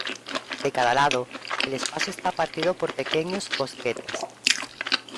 De cada lado, el espacio está partido por pequeños bosquetes.